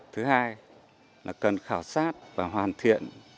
thứ hai là cần khảo sát và hoàn thiện